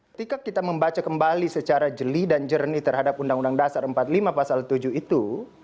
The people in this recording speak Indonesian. ketika kita membaca kembali secara jeli dan jernih terhadap undang undang dasar empat puluh lima pasal tujuh itu